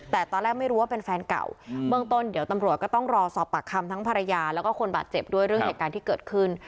แต่ตอนแรกไม่รู้ว่าเป็นแฟนเก่าเบื้องต้นเดี๋ยวตำรวจก็ต้องรอสอบปากคำทั้งภรรยาแล้วก็คนบาดเจ็บด้วยเรื่องเหตุการณ์ที่เกิดขึ้น